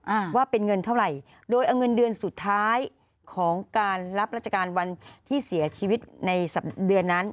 อ่าว่าเป็นเงินเท่าไหร่โดยเอาเงินเดือนสุดท้ายของการรับราชการวันที่เสียชีวิตในสำเดือนนั้น